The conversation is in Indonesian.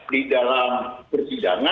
di dalam persidangan